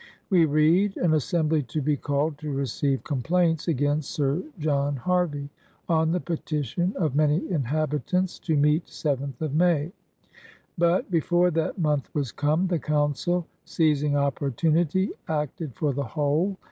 We read: '^An Assembly to be called to receive complaints against Sr. John Harvey, on the petition of many inhabi tants, to meet 7th of May. But, before that month was come, the Coimcil, seizing opportimity, acted for the whole.